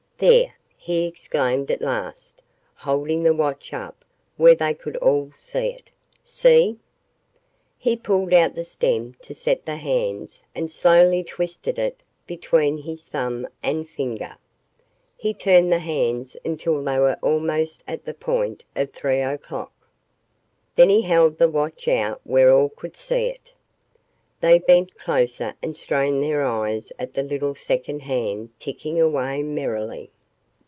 "There," he exclaimed at last, holding the watch up where they could all see it. "See!" He pulled out the stem to set the hands and slowly twisted it between his thumb and finger. He turned the hands until they were almost at the point of three o'clock. Then he held the watch out where all could see it. They bent closer and strained their eyes at the little second hand ticking away merrily.